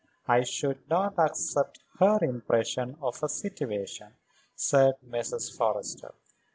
I should not accept her impression of a situation," said Mrs. Forrester.